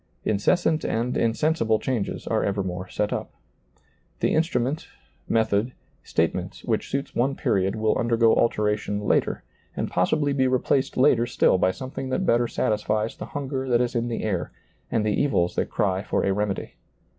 Incessant and insensible changes are evermore set up. The instrument, method, statement which suits one period will undergo alteration later, and possibly be replaced later still by something that better satisfies the hunger that is in the air and the evils that cry for a remedy.